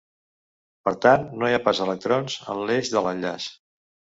Per tant no hi ha pas electrons en l'eix de l'enllaç.